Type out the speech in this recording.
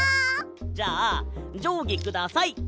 じゃあじょうぎください！